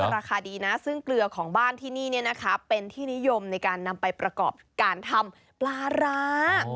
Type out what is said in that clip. ราคาดีนะซึ่งเกลือของบ้านที่นี่เป็นที่นิยมในการนำไปประกอบการทำปลาร้า